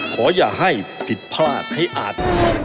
ขออย่าให้ผิดพลาดให้อาจ